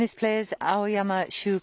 青山修子